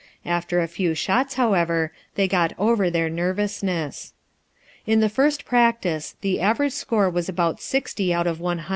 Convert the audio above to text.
After a few shots, however, they got over their nervousness. In the first practice the average score was about 60 out of 100.